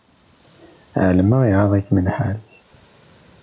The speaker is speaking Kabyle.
Ԑelmeɣ iɣaḍ-ikem lḥal.